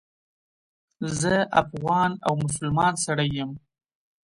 زه افغان او مسلمان سړی یم.